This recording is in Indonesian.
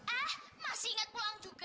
eh masih inget pulang juga